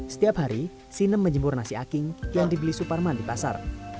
setiap hari sinem menjemur nasi aking yang dibeli suparman di pasar